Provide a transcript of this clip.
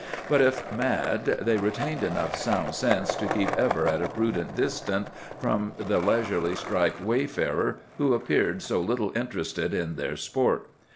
But if mad, they retained enough sound sense to keep ever at a prudent distance from the leisurely striped wayfarer who appeared so little interested in their sport.